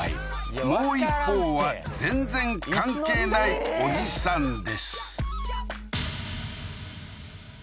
もう一方は全然関係ないおじさんです